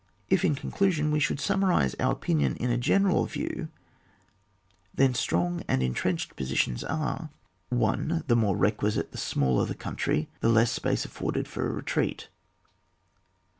If, in conclusion, we should summarise our opinion in a general view, then strong and entrenched positions CHAP. XIV.] FLANK POSITIONS. 117 1. The more requisite the smaller the coontry, the less the space afforded' for a retreat.